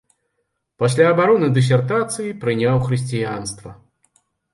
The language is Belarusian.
Пасля абароны дысертацыі прыняў хрысціянства.